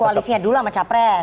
koalisinya dulu sama capres